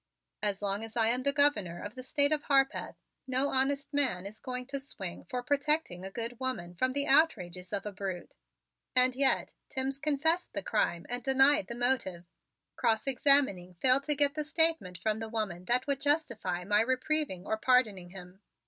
As long as I am the Governor of the State of Harpeth, no honest man is going to swing for protecting a good woman from the outrages of a brute. And yet Timms confessed the crime and denied the motive. Cross examining failed to get the statement from the woman that would justify my reprieving or pardoning him.